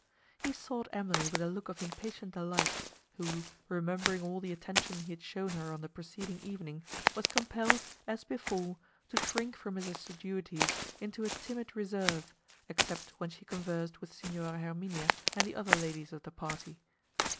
He sought Emily with a look of impatient delight, who, remembering all the attention he had shown her on the preceding evening, was compelled, as before, to shrink from his assiduities into a timid reserve, except when she conversed with Signora Herminia and the other ladies of her party.